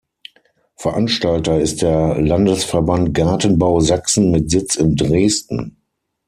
Veranstalter ist der Landesverband Gartenbau Sachsen mit Sitz in Dresden.